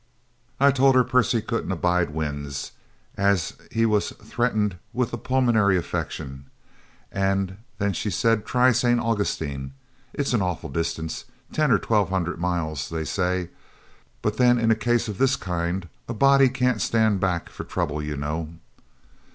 I told her Percy couldn't abide winds, as he was threatened with a pulmonary affection, and then she said try St. Augustine. It's an awful distance ten or twelve hundred mile, they say but then in a case of this kind a body can't stand back for trouble, you know."